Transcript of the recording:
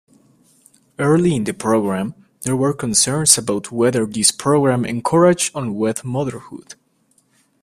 Early in the program, there were concerns about whether this program encouraged unwed motherhood.